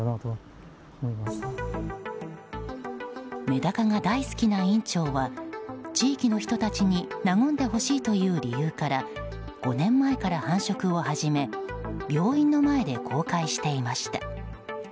メダカが大好きな院長は地域の人たちに和んでほしいという理由から５年前から繁殖を始め病院の前で公開していました。